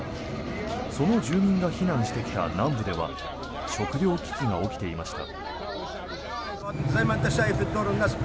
その住民が避難してきた南部では食糧危機が起きていました。